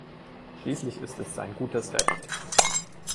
Schließlich ist es sein gutes Recht.